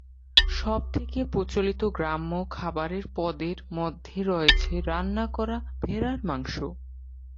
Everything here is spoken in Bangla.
সবথেকে প্রচলিত গ্রাম্য খাবারের পদের মধ্যে রয়েছে রান্না করা ভেড়ার মাংস।